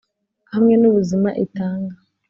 hamwe n’ubuzima itanga